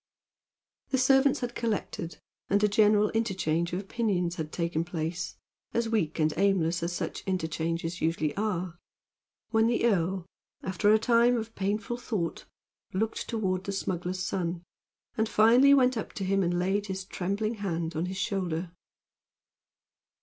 The servants had collected and a general interchange of opinions had taken place as weak and aimless as such interchanges usually are when the earl, after a time of painful thought, looked toward the smuggler's son, and finally went up to him and laid his trembling hand on his shoulder.